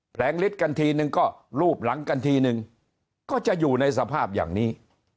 แผลงฤทธิ์กันทีนึงก็รูปหลังกันทีนึงก็จะอยู่ในสภาพอย่างนี้